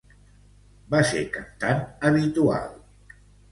Va ser cantant habitual a les temporades del Teatro Real de Madrid.